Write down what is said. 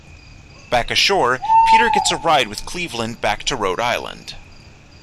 Back ashore, Peter gets a ride with Cleveland back to Rhode Island.